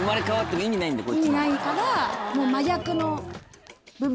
意味ないから。